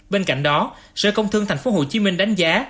bên cạnh đó sở công thương tp hcm đánh giá